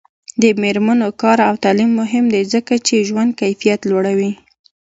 د میرمنو کار او تعلیم مهم دی ځکه چې ژوند کیفیت لوړوي.